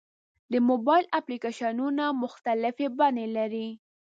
د موبایل اپلیکیشنونه مختلفې بڼې لري.